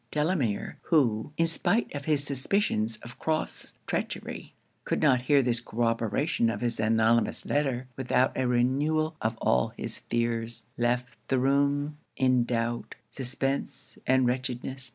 Delamere, who, in spite of his suspicions of Crofts' treachery, could not hear this corroboration of his anonymous letter without a renewal of all his fears, left the room in doubt, suspence and wretchedness.